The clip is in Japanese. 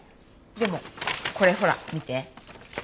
でもこれほら見て。